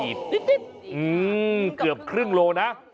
อื้มเกือบครึ่งโลนะ